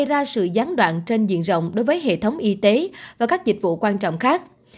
gây ra sự gián đoạn trên diện rộng đối với hệ thống y tế và các dịch vụ quan trọng khác